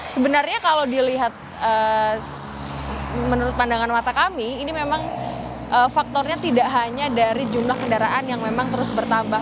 sebenarnya kalau dilihat menurut pandangan mata kami ini memang faktornya tidak hanya dari jumlah kendaraan yang memang terus bertambah